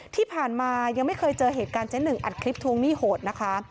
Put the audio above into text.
ที่ผ่านมายังไม่เคยเจอเหตุการณ์เจ๊หนึ่งอัดคลิปทวงหนี้โหดนะคะ